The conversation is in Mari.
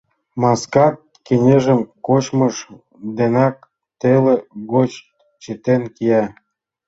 — Маскат кеҥежым кочмыж денак теле гоч чытен кия».